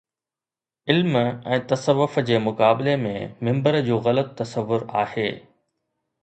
علم ۽ تصوف جي مقابلي ۾ منبر جو غلط تصور آهي